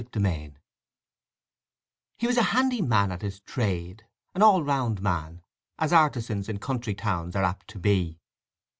_" IV He was a handy man at his trade, an all round man, as artizans in country towns are apt to be.